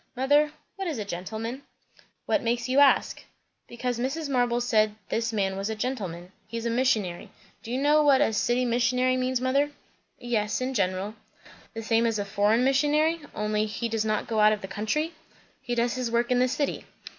Mother, what is a 'gentleman'?" "What makes you ask?" "Because Mrs. Marble said this man was a gentleman. He's a missionary. Do you know what a 'city missionary' means, mother?" "Yes, in general." "The same as a foreign missionary, only he does not go out of the country?" "He does his work in the city."